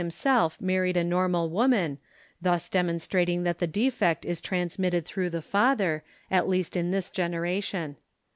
himself married a normal woman, thus demon strating that the defect is transmitted through the father, at least in this generation.